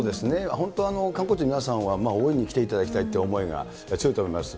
本当、観光地の皆さんは大いに来ていただきたいという思いが強いと思います。